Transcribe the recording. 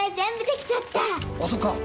あっそっかぁ。